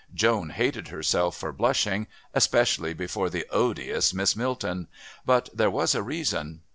Joan hated herself for blushing, especially before the odious Miss Milton, but there was a reason.